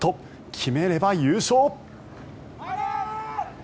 決めれば優勝。